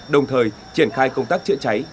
đồng thời triển khai công tác chữa cháy